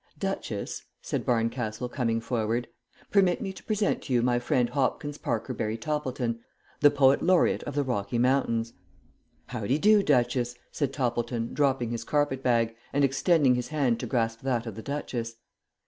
"Duchess," said Barncastle, coming forward, "permit me to present to you my friend Hopkins Parkerberry Toppleton, the Poet Laureate of the Rocky Mountains." "Howdy do, Duchess," said Toppleton, dropping his carpet bag, and extending his hand to grasp that of the Duchess.